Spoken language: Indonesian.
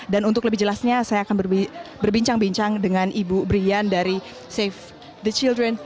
dan untuk lebih jelasnya saya akan berbincang bincang dengan ibu brian dari save the children